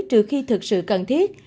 trừ khi thực sự cần thiết